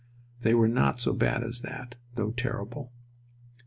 They were not so bad as that, though terrible.